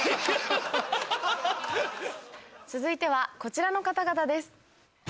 続いてはこちらの方々です。